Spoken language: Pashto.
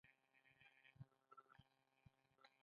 د وینې حجم پنځه لیټره دی.